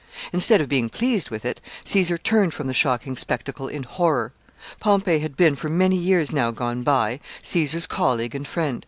Instead of being pleased with it, Caesar turned from the shocking spectacle in horror. Pompey had been, for many years now gone by, Caesar's colleague and friend.